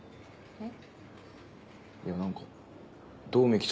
えっ！